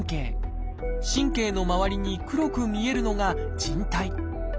神経の周りに黒く見えるのがじん帯。